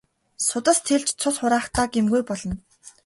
Судас тэлж цус хураахдаа гэмгүй болно.